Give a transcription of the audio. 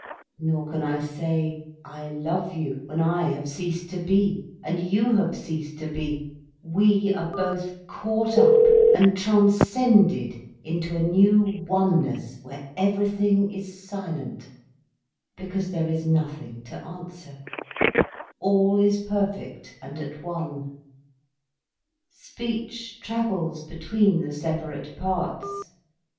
Nor can I say "I love you," when I have ceased to be, and you have ceased to be: we are both caught up and transcended into a new oneness where everything is silent, because there is nothing to answer, all is perfect and at one. Speech travels between the separate parts.